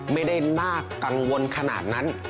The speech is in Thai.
ไม่ได้น่ากังวลขนาดนั้น